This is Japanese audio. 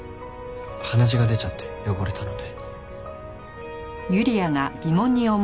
鼻血が出ちゃって汚れたので。